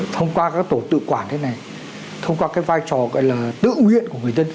thông qua các tổ tự quản thế này thông qua cái vai trò tự nguyện của người dân